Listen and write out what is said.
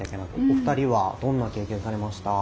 お二人はどんな経験されました？